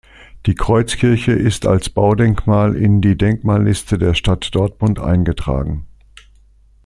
Die Kreuzkirche ist als Baudenkmal in die Denkmalliste der Stadt Dortmund eingetragen.